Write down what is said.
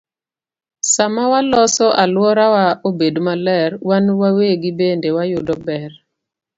Sama waloso alworawa obed maler, wan wawegi bende wayudo ber.